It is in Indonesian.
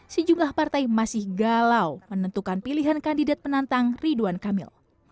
sejumlah partai masih galau menentukan pilihan kandidat penantang ridwan kamil